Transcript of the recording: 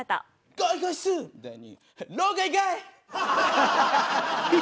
「ゴイゴイスー」みたいに。